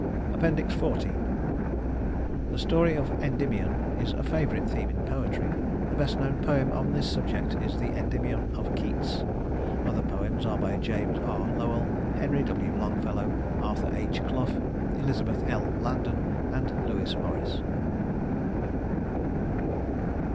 XIV The story of Endymion is a favorite theme in poetry. The best known poem on this subject is the Endymion of Keats. Other poems are by James R. Lowell, Henry W. Longfellow, Arthur H. Clough, Elizabeth L. Landon, and Lewis Morris.